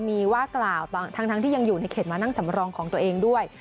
มีว่ากล่าวทั้งที่ยังอยู่ในเขตมานั่งสำรองของตัวเองด้วย